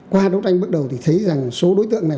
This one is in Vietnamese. qua đấu tranh bước đầu thì thấy rằng số đối tượng này